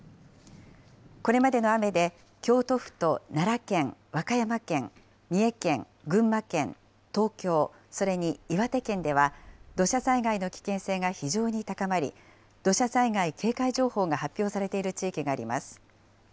これまでの雨で京都府と奈良県、和歌山県、三重県、群馬県、東京、それに岩手県では、土砂災害の危険性が非常に高まり、土砂災害警戒情報が発表されている地域があります。